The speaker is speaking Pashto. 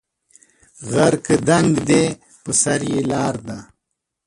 غر که دنګ دی په سر یې لار ده